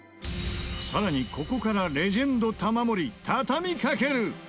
さらに、ここからレジェンド玉森、畳みかける！